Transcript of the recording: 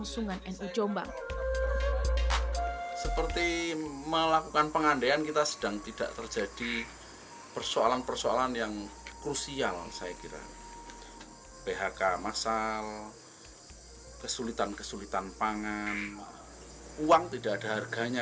jangan lupa like share dan subscribe ya